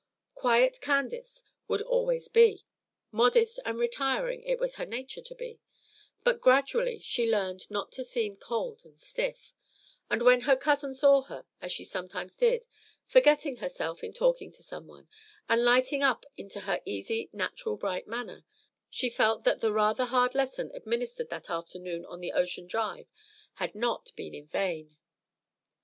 Quiet Candace would always be; modest and retiring it was her nature to be: but gradually she learned not to seem cold and stiff; and when her cousin saw her, as she sometimes did, forgetting herself in talking to some one, and lighting up into her easy, natural, bright manner, she felt that the rather hard lesson administered that afternoon on the ocean drive had not been in vain.